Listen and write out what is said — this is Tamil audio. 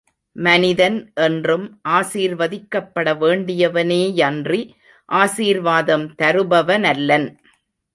மனிதன் என்றும் ஆசீர்வதிக்கப்பட வேண்டியவனே யன்றி ஆசீர்வாதம் தருபவனல்லன்.